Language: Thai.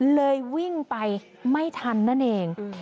เลยวิ่งไปไม่ทันนั่นเอง